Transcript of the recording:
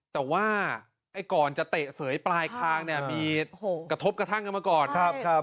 แต่ว่าก่อนจะเตะเสยปลายคางเนี่ยมีกระทบกระทั่งกันมาก่อนครับ